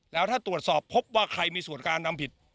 แล้วถ้าตรวจสอบพบว่าใครมีส่วนการทำผิด